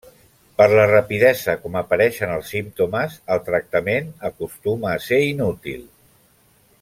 Per la rapidesa com apareixen els símptomes el tractament acostuma a ser inútil.